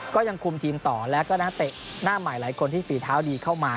ก็ยังคุมทีมต่อแล้วก็นักเตะหน้าใหม่หลายคนที่ฝีเท้าดีเข้ามา